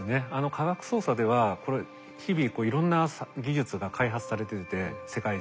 科学捜査では日々いろんな技術が開発されてて世界中で。